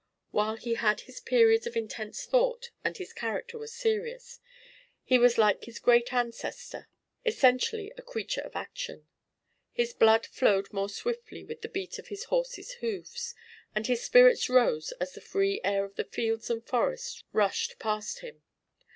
While he had his periods of intense thought, and his character was serious, he was like his great ancestor, essentially a creature of action. His blood flowed more swiftly with the beat of his horse's hoofs, and his spirits rose as the free air of the fields and forests rushed past him.